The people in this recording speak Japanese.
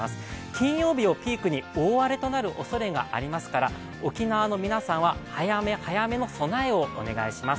金曜日をピークに大荒れとなるおそれがありますから沖縄の皆さんは、早め早めの備えをお願いします。